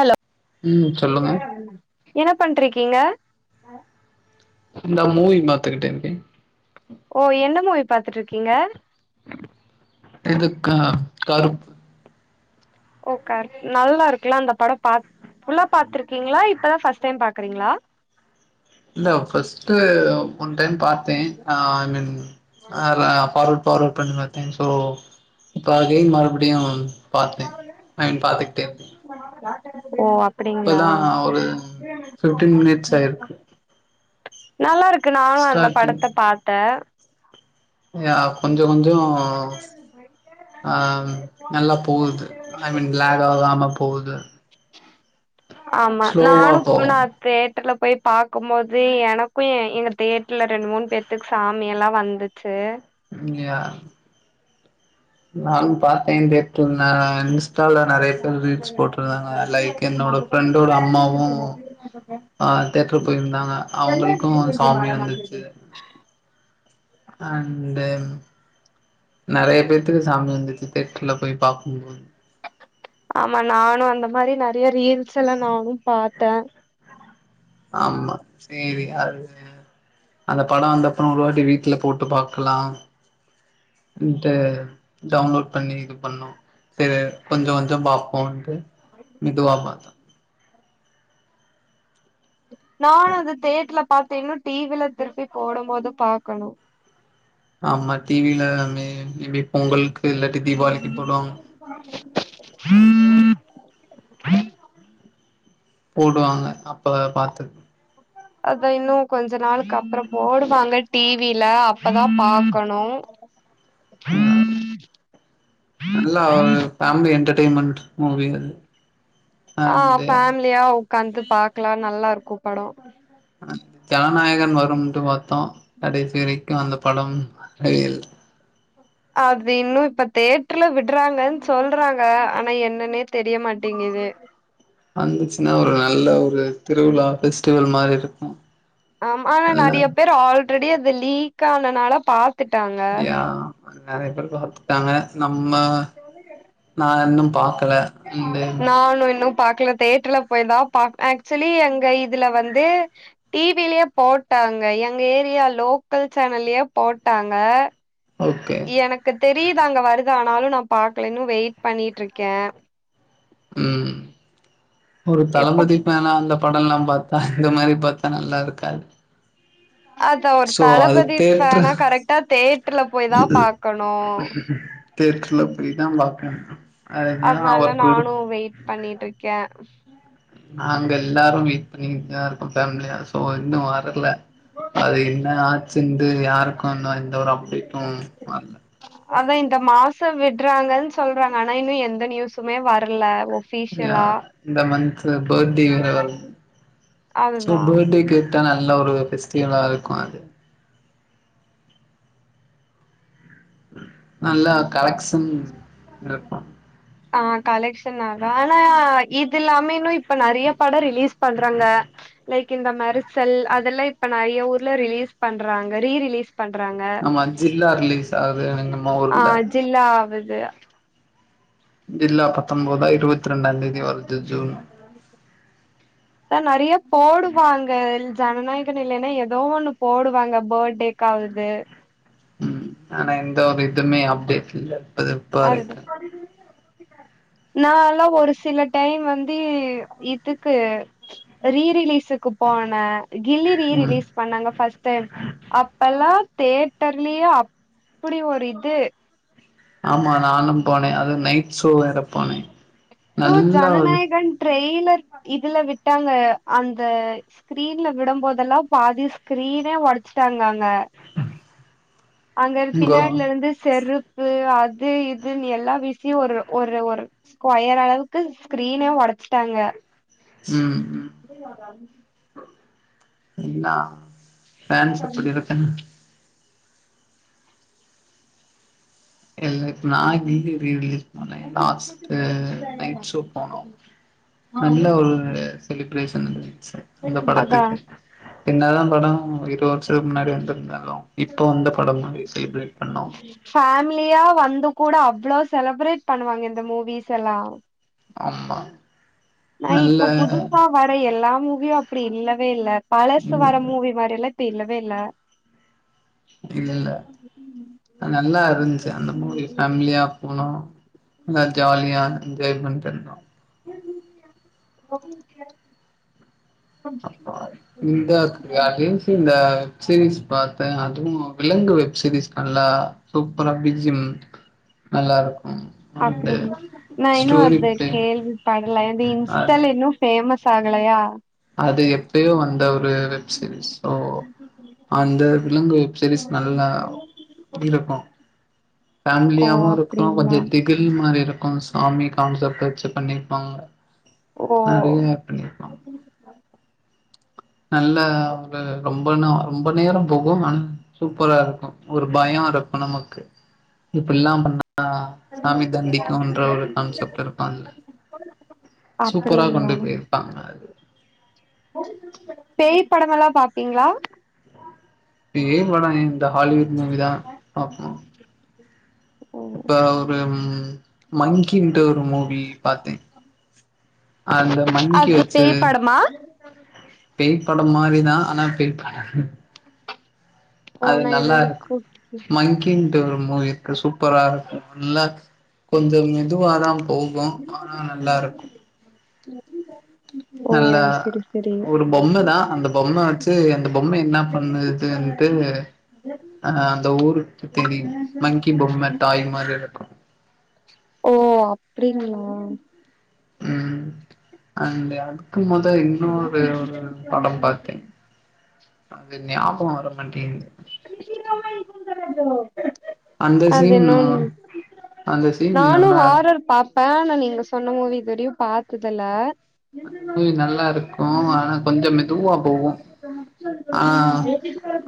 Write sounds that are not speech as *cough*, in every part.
hello ம் சொல்லுங்க என்ன பண்ட்ருக்கீங்க நா மூவி மாத்திக்கிட்டேன்ருக்க ஓ என்ன மூவி பாத்துட் ருக்கீங்க இதுக்கா கருப் ஓ கருப் நல்லா இருக்குல்ல அந்த படம் பாத் ஃபுல்லா பாத்துருக்கீங்ளா இப்பதா ஃபஸ்ட் டைம் பாக்குறீங்களா இல்ல ஃபஸ்ட்டு ஒன் டைம் பாத்தே ஆ ஐ மீன் ஆ ஃபார்வட் ஃபார்வட் பண்ணி பாத்தெ ஸோ இப்ப அகேய்ன் மறுபடியு பாத்தே அயின் பாத்துக்கிட்டே இருக்க ஓ அப்படிங்ளா ஒரு ஃபிப்டீன் மினிட்ஸ் ஆயிருக்கு நல்லா ருக்கு நானு அந்த ஸ்டார்டிங் படத்த பாத்தே ஏ கொஞ்ச கொஞ்ச ஆ நல்லா போகுது ஐ மீன் பிலாக் ஆகாம போவுது ஆமா நானு போவு புனாக் தேட்டர்ல போய் பாக்கும் போது எனக்கு எங்க தேட்டர்ல ரெண்டு மூணு பேத்துக்கு சாமியெல்லா வந்துச் சே உண்ம்யா நானும் பாத்தே தேவ் இருந்தாக இன்ஸ்டால நெறைய பேர் ரீல்ஸ் போட்ருந்தாங்க லைக் என்னோட ஃப்ரெண்டோட அம்மாவு வாங்குட்தே ஆ தேட்ருக்கு போயிருந்தாங்க அவங்களுக்கு சாமி வந்துச்சு அண்டு நெறைய பேத்துக்கு சாமி வந்துச்சு தேட்டுர்ல போய் பாக்கும்போது ஆமா நானு அந்த மாரி நெறைய ரீல்ஸ் எல்லா நானும் பாத்தே ஆமா சேரி அது சேரி அந்த படொ வந்த அப்றொ ஒரு வாட்டி வீட்ல போட்டு பாக்லா ன்ட்டு டவுன்லோட் பண்ணி இது பண்ணு செரி கொஞ்ச கொஞ்ச பாப்போன்டு மிதுவா பாத்த நானு அத தேட்டர்ல பாத்த இன்னு டிவில திருப்பி போடும் போது பாக்கணு ஆமா டிவில எல்லாமே மேபி பொங்கலுக்கு இல்லாட்டி தீபாளிக்கு போடுவாங்க உம் போடுவாங்க அப்ப பாத்து அத இன்னு கொஞ்ச நாளுக்கு அப்றொ போடுவாங்க டிவில அப்பதா பாக்கணு ஆ ஆ நல்லா ஒரு ஃபேமிலி என்டர்டெயின்மென்ட் மூவி இது ஆ ஃபேமிலியா ஒக்காந்து பாக்கலா நல்லா இருக்கு படோ ஜனநாயகன் வரும்ட்டு பாத்தோ கடைசி வரைக்கு அந்த படம் ட்ரயல் அது இன்னோ இப்ப தேட்டுர்ல விடுறாங்கன்னு சொல்றாங்க ஆனா என்னன்னே தெரியமாட்டேங்குது வந்துச்சுன்னா ஒரு நல்ல ஒரு திருவிழா பெபஸ்டிவல் மாரி இருக்கோ ஆமா ஆனா நறைய பேர் ஆல்ரெடி அது லீக் ஆனனால பாக் யா நறைய பேரு பாத்துட்டாங்க நம்ம நா இன்னு பாக்கல அண்டு நானு இன்னும் பாக்கல தேட்டர்ல போயிதா பாக் ஆக்சுவலி அங்க இதுல வந்து டி விலயே போட்டாங்க எங்க ஏரியா லோக்கல் சேனல்லயே போட்டாங்க ஓகே எனக்கு தெரியுது அங்க வருது ஆனாலு நா பாக்கல இன்னு வெயிட் பண்ணிட்ருக்கே ம் ஒரு எப்ப தளபதி வேனா அந்த படோ எல்லா பாத்தா இந்த மாரி பாத்தா நல்லா இருக்காது அதா ஒரு சோ அது தளபதி ஃபேனா தேட்ரு கரெக்டா தேட்ருல போய் தா பாக்கணோ தேட்ரல போய்தா பாக்கனு அதனால நானு வெயிட் பண்ணிட்ருக்கே நாங்க எல்லாரோ வெய்ட் பண்ணிக்கட்டுதா இருக்கோ ஃபேமிலியா சோ இன்னோ வரல அது என்ன ஆச்சுன்ட்டு யாருக்கோ இன்னு எந்த ஒரு அப்டேட்டோ வர்ல அதா இந்த மாசோ விடுறாங்கன்னு சொல்றாங்க ஆனா இன்னு எந்த நியூஸுமே வர்ல அப்புடியா இந்த மந்த்து பர்டே வேற வர்து சோ அதுதா பர்டே கிஃப்டா நல்ல ஒரு பெஸ்டிவலா இருக்கோ அது நல்லா கலெக்ஷன் இருக்கோ ஆ கலக்ஷன் ஆகோ ஆனா இதுல்லாமே இன்னோ இப் ப நறீய படோ ரிலீஸ் பண்றாங்க லைக் கிந்த மெரசல் அதெல்லா இப்ப நறைய ஊர்ல ரிலீஸ் பண்றாங்க ரீ ரிலீஸ் பண்றாங்க ஆமா ஜில்லா ரிலீஸ் ஆகுது நம்ம ஆ ஊர்ல ஜில்லா ஆவுது ஜில்லா பத்தொன்பதா இருவத்த ரெண்டாந்தேதி வருது ஜூன் தா நறைய போடுவாங்க ஜனநாயகன் இல்லன்னா எதோ ஒண்ணு போடுவாங்க பர்த்டே க்காவுது உம் ஆனா எந்த ஒரு இதுவுமே அப்டேட் இல்ல இப்பது இப்ப அதுதா வரைக்கு நால்லா ஒரு சில டைம் வந்து இதுக்கு ரீ ரிலீஸிக்கு போன கில்லி ரீ ம் ரிலீஸ்க் பண்ணாங்க பஸ்ட் டைம் அப்பல்லா தேட்டர்லயே அப்புடி ஒரு இது ஆமா நானு போனே அது நைட் ஷோ வேற போனே இதோ நல்ல ஒரு ஜனநாயகன் ட்ரெய்லர் இதுல விட்டாங்க அந்த ஸ்கீரின்ல விடம்போதெல்லா பாதி ஸ்கிரீனே ஒடச்சுட்டாங்க அங்க அங்க கோ பின்னாடிலர்ந்து செருப்பு அது இதுன்னு எல்லா வீசியோ ஒரு ஒரு ஒரு ஸ்கொயர் அளவுக்கு ஸ்கிரீனே ஒடச்சுட்டாங்க ம் ம் நீங்களா டான்ஸ் எப்புடி இருக்கு இல்ல நா கில்லி ரீ ரிலீஸ்க்கு போனே லாஸ்ட்டு நைட் ஷோ போனோ நல்ல ஒரு செலிப்ரேஷன் இருந்துச்சு அந்த அதா படத்துக்கு என்னதா பட இரு வருஷத்துக்கு முன்னாடி வந்திருந்தாலு இப்போ வந்த படம் மாதிரி செலிப்ரேட் பண்ணோ ஃபேமிலியா வந்து கூட அவ்வளோ செலப்ரேட் பண்ணுவாங்க இந்த மூவிஸ் எல்லா ஆம்மா நல்ல அட எல்லா மூவியு அப்படி இல்லவே இல்ல பழசு வர மூவி மாரில்லா இப்டி இல்லவே இல்ல இல்ல நல்லா இருந்துச்சு அந்த மூவி *unintelligible* ஃபேமிலியா போனோ நல்லா ஜாலியா என்ஜாய் பண்ணிட்டு வந்தோ *unintelligible* இந்தாக் யாகேஷ் இந்த வெப்சீரிஸ் பாத்த அதுவு விலங்கு வெப்சீரிஸ் பண்லா சூப்பரா பி்ஜியம் நல்லாருக்கு அப்டிங்க நா இன்னு அப்டி கேள்வி படல அது அ இன்ஸ்டால இன்னு ஃபேமஸ் ஆகலயா அது எப்பவே வந்த ஒரு வெப்சீரிஸ் சோ அந்த விலங்கு வெப்சீரிஸ் நல்லா இருக்கு ஓ ஃபேமிலியாவு இருக்கு அப்டிங்களா கொஞ்ச தில் வில் மாரி இருக்கு சாமி கான்சப்ட் வச்சு பண்ணிருப்பாங்க ஓ நெறைய யூனிபார்ம் நல்ல ஒரு ரொம்ப நா ரொம்ப நேரோ போகு ஒன் சூப்பரா இருக்கு ஒரு பயோ இருக்கு நமளுக்கு இப்ப எல்லா பண்ணா சாமி தண்டிக்கும்ன்ற ஒரு கான்செப்ட் இருக்கும்ல சூப்பரா அப்டிங்களா கொண்டு போயிர் பாங்க அது பேய் படமல்லா பாப்பீங்களா பேய் படோ இந்த ஹாலிவுட் மூவி தா பாப்போ ஓ இப்ப ஒரு மங்கிட்ட ஒரு மூவி பாத்தே அந்த மங்கி அது வச்சு பேய் படமா பேய் படம் மாரிதா ஆனா பேய் பட ஓ அது நா இது நல்லாருக்கு வரைக்கு மங்கி கிளிங்டு ஒரு மூவி இருக்கு சூப்பரா இருக்கு நல்லா கொஞ்ச மெதுவாதா போகு ஆனா நல்லாருக்கு ஓ நல்லா சரி *inaudible* ஒரு பொம்மதா அந்த பொம்ம வச்சு அந்த பொம்ம என்ன பண்ணுதுனுட்டு அ அந்த ஊருக்கு தெரியு மங்கி பொம்ம டாய் மாரி இருக்கு ஓ அப்டிங்களா ம் அந்த அதுக்கு மொத இன்னொரு ஒரு படம் பாத்தே அது ஞாபக வர மாட்டேங்குது அந்த அது சீன் நோன் அந்த சீன் நானு நல்லா ஹாரர் பாப்பே ஆனா நீங்க சொன்ன மூவி இதுவரயு பாத்ததுல்ல அந்த மூவி நல்லா இருக்கு ஆனா கொஞ்சோ மெதுவா போகு ஆனா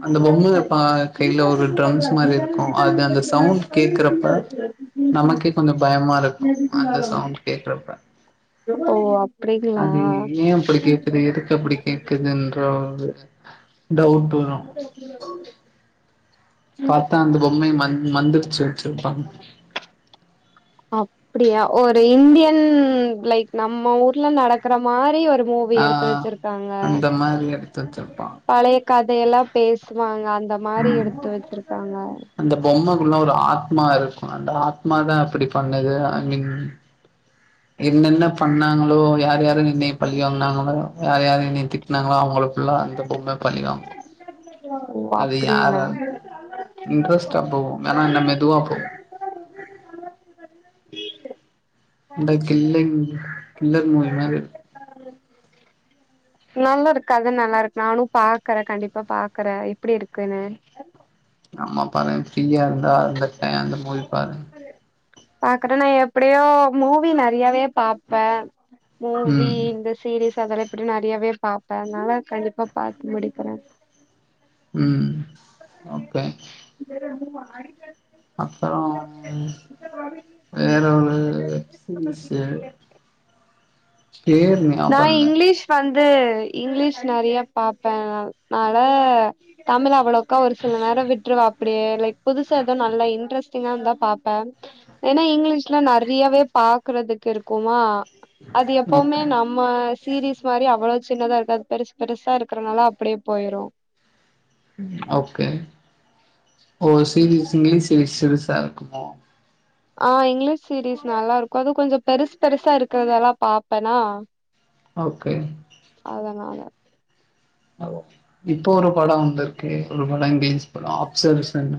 அந்த பொம்மைப்பா கையில ஒரு ட்ரம்ஸ் மாரிருக்குஅது அந்த சவுண்ட் கேக்குறப்ப நமக்கே கொஞ்சோ பயமா இருக்கு அந்த சவுண்ட் கேக்குறப்ப ஓ அப் அது ஏ அப்டி கேக்குது எதுக்கு அப்படி கேக்குதுன்ற டவுட் வரு பாத்தா அந்த பொம்மைய மந் மந்திரிச்சு வச்சிருப்பாங்க அப்டியா ஒரு இந்தியன் லைக் நம்ம ஊர்ல நடக் க்குற மாரி ஒரு மூவி ஆ எடுத்து வச்சிருக்காங்க அந்த மாரி எடுத்து வச்சிருப்பா பழைய கதையெல்லா பேச்வாங்க அந்த மாரி எடுத்து வச்சிருக்காங்க அந்த பொம்மக்குல்ல ஒரு ஆத்மா இருக்கு அந்த ஆத்மா தா அப்டி பண்ணுது ஐ மீன் என்னென்ன பண்ணாங்களோ யார் யார் என்னைய பழி வாங்னாங்களோ யார் யாரு எனய திட் ட்னாங்களோ அவங்கள ஃபுல்லா அந்த பொம்ம பழிவாங்கு ஓ அப்டிங்ளா இன்ட்ரெஸ்டா போகு ஆன என்ன மெதுவா போகு இந்த கில்லிங் கில்லர் மூவி மாரி நல்லாருக்கு கத நல்லா இருக்கு நானு பாக்கறே கண்டிப்பா பாக்கறே இப்டி இருக்குனு நம்ம பாருங்க ஃப்ரீயா இருந்தா அந்த சேன்ல மூவி பாருங்க பாக்கறே நா எப்டியு மூவி நறையாவே பாப்பே மூவி ம் இந்த சீரிஸ் அதெல்ல எப்டி நறையவே பாப்பே அனால கண்டிப்பா பாத்து முடிக்கிறே ம் ஓகே *unintelligible* அப்பறோ வேற ஒரு வெப் சீரீஷு ஹியர்னு நா இங்லீஷ் வந்து இங்லீஷ் நறியா பாப்பே அன்னால தமிழ் அவ்வளோக்கா ஒரு சில நேரோ விட்ருவ அப் அப்பிடியே லைக் புதுசா எதோ நல்லா இன்ட்ரெஸ்டிங்கார்ந்தா பாப்பே ஏனா இங்கிலீஷ்ல நறியவே பாக்குறதுக்கு இருக்குமா அது எப்போவுமே ஓகே நம் நம்ம சீரீஸ் மாரி அவ்ளோ சின்னதா இருக்காது பெருஸ் பெருசா இருக்கறனால அப்டே போய்ரு ம் ஓகே உங்க சீரிஸ் இங்லிஷ் இதில் சிருசா இருக்குமோ ஆ இங்லீஷ் சீரீஸ் நல்லா இருக்கு அது கொஞ்சோ பெருஸ் பெருசா இருக்கறதெல்லா பாப்பெனா ஓகே அதனால ஆ ஓகே இப்போ ஒரு படோ இந்த கே னு ஒரு படோ இங்லிஷ் படோ ஆப்சர்ஷன்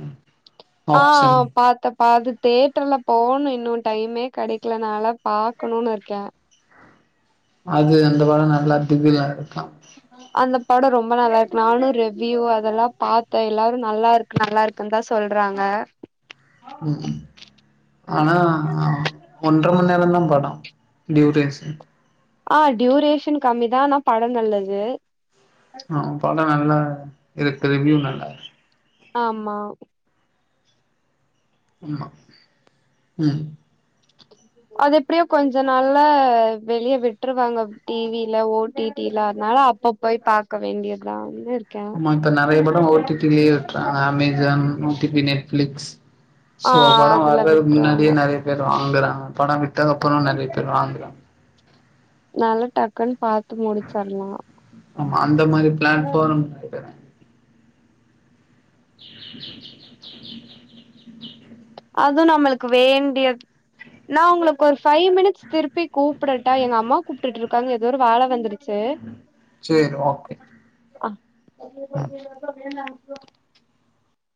ஆப்ஷன் பாத்த பாது தேட்ருல போணு இன்னு டைமே கெடைக்கில நாலா பாக்கணுன் இர்க்கே அது அந்த படோ நல்லா திகிலா இருக்கா அந்த படோ ரொம்ப நல்லா இருக்கு நானு ரிவ்யூ அதெல்லா பாத்தே எல்லாரு நல்லாருக் நல்லா இருக்குன் தா சொல்றாங்க ம் ஆனா ஒன்ரமண் நேரோ தா படோ டியுரேஷன் ஆ டியூரேஷன் கம்மிதா ஆனா படோ நல்லது ஆ படோ நல்லா இருக்கு ரிவியூ நல்லா இரு ஆமா *unintelligible* ம் அதெப்டியோ கொஞ்ச நாள்ல வெளிய விட்ருவாங்க டிவில ஓ டி டி ல அதனால அப்பப் போய் பாக்க வேண்டியதா இருக்கே ஆமா இப்ப நெறய படோ ஓ டி டி லேயே விட்றாங்க Amazon O T T Netflix ஆ சோ படோ அதுல வர்றதுக் விட்டுருவாங்க முன்னாடியே நெறய பேர் வாங்குறாங்க படோ விட்டக்கப்புறோ நெறய பேர் வாங்குறாங்க நல்லா டக்குன்னு பாத்து முடிச்சர்லா ஆமா அந்த மாரி பிளான் போடனு நெனக்கிறே அது நம்மளுக்கு வேண்டியது நா உங்குளுக் ஒரு ஃபைவ் மினிட்ஸ் திருப்பி கூப்டட்டா எங்க அம்மா கூப்டுட் இருக்காங்க ஏதோ ஒரு வேல வந்துடுச் சு சேரி ஓகே ஆ ம் *unintelligible*